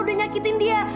udah nyakitin dia